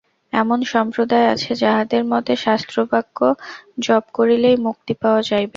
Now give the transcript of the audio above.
এমন সম্প্রদায় আছে, যাহাদের মতে শাস্ত্রবাক্য জপ করিলেই মুক্তি পাওয়া যাইবে।